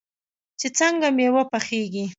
چې څنګه میوه پخیږي.